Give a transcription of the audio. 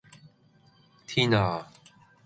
天呀